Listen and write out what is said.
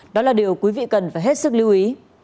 đó là điều quý vị cần phải hết sức lưu ý